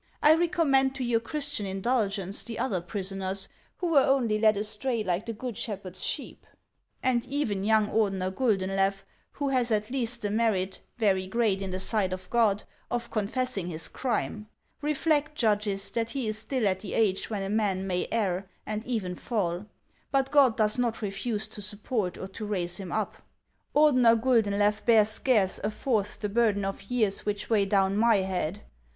I recommend to your Christian indulgence the other prisoners, who were only led astray like the Good Shepherd's sheep ; and even young Ordener Guldenlew, who has at least the merit, very great in the sight of God, of confessing his HANS OF ICELAND. 453 crime. Keflect, judges, that he is still at the age when a man may err, aud even fall ; but God does not refuse to support or to raise him up. Ordener Guldenlew bears scarce a fourth the burden of years which weigh down ray head.